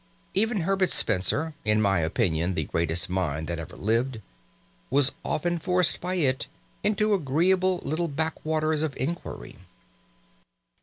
Even Herbert Spencer, in my opinion the greatest mind that ever lived, was often forced by it into agreeable little backwaters of inquiry.